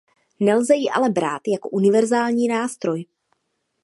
Nelze ji ale brát jako univerzální nástroj.